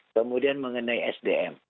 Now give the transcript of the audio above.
kemudian mengenai sdm